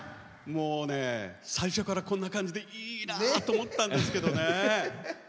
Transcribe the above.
もうね、最初からこんな感じでいいなと思ってたんですけどね。